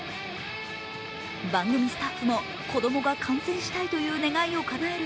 番組スタッフも子供が観戦したいという願いを叶える